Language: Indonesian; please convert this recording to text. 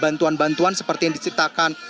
bantuan bantuan seperti yang diciptakan